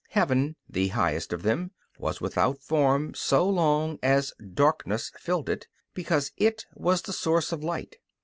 Heaven, the highest of them, was without form so long as "darkness" filled it, because it was the source of light.